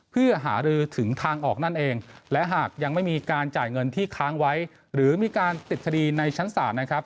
เพื่อหารือถึงทางออกนั่นเองและหากยังไม่มีการจ่ายเงินที่ค้างไว้หรือมีการติดคดีในชั้นศาลนะครับ